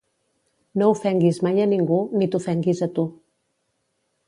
No ofenguis mai a ningú, ni t'ofenguis a tu.